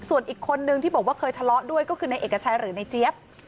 ส่วนอีกคนนึงที่บอกว่าเคยทะเลาะด้วยก็คือในเอกชัยหรือในเจี๊ยบ